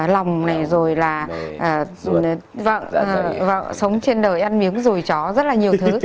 lòng này rồi là sống trên đời ăn miếng dồi chó rất là nhiều thứ